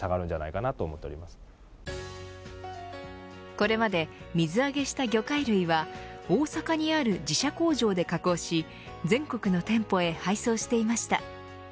これまで水揚げした魚介類は大阪にある自社工場で加工し全国の店舗へ配送していました。